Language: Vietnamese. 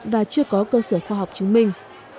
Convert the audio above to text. và chưa có cơ sở khoa học chứng minh